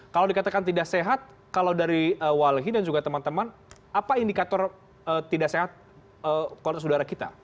kalau dikatakan tidak sehat kalau dari walehi dan juga teman teman apa indikator tidak sehat kualitas udara kita